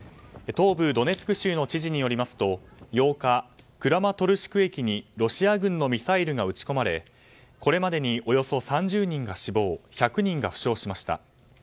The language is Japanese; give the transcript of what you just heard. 東部ドネツク州の知事によりますと８日、クラマトルシク駅にロシア軍のミサイルが撃ち込まれこれまでにおよそ３０人が死亡１００人が負傷しました。